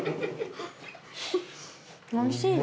おいしい。